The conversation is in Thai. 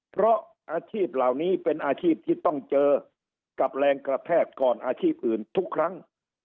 เพราะอาชีพเหล่านี้เป็นอาชีพที่ต้องเจอกับแรงกระแทกก่อนอาชีพอื่นทุกครั้ง